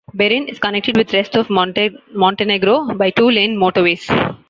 Berane is connected with rest of Montenegro by two-lane motorways.